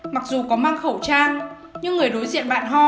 mặc dù có mang khẩu trang nhưng người đối diện bạn ho